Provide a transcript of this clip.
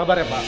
kabar ya pak